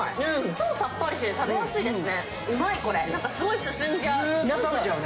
超さっぱりして食べやすいですね。